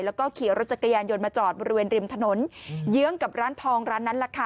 แล้วก็ขี่รถจักรยานยนต์มาจอดบริเวณริมถนนเยื้องกับร้านทองร้านนั้นแหละค่ะ